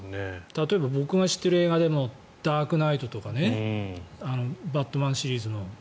例えば僕が知っている映画でも「ダークナイト」とか「バットマン」シリーズの。